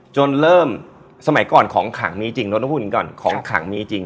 จนเริ่มสมัยก่อนของขังมีจริงเราต้องพูดอย่างนี้ก่อนของขังมีจริง